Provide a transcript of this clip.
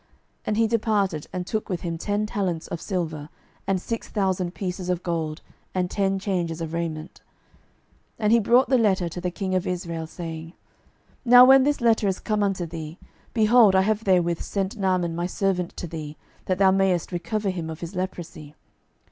And he departed, and took with him ten talents of silver, and six thousand pieces of gold, and ten changes of raiment. 12:005:006 And he brought the letter to the king of Israel, saying, Now when this letter is come unto thee, behold, I have therewith sent Naaman my servant to thee, that thou mayest recover him of his leprosy.